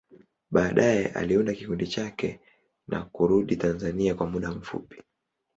Baadaye, aliunda kikundi chake na kurudi Tanzania kwa muda mfupi.